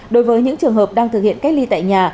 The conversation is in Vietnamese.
đối với những trường hợp đang thực hiện cách ly tại nhà